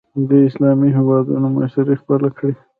د اسلامي هېوادونو مشري خپله کړي